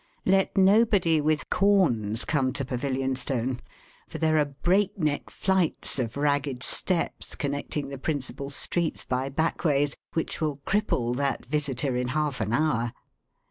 Let nobody with corns come to Pavilionstone, for there are breakneck flights of ragged steps, connecting the principal streets by back ways, which will cripple that visitor in half an hour.